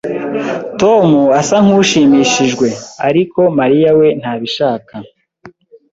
Tom asa nkushimishijwe, ariko Mariya we ntabishaka.